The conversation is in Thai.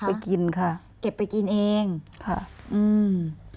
ไปกินค่ะเก็บไปกินเองค่ะอืม